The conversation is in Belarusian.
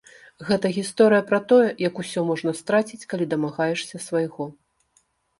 Гэта гісторыя пра тое, як усё можна страціць, калі дамагаешся свайго.